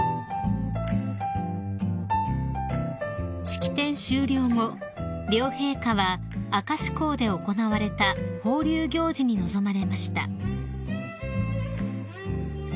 ［式典終了後両陛下は明石港で行われた放流行事に臨まれました］